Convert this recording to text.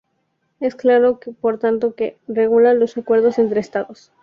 Es claro por tanto que regula los acuerdos entre Estados.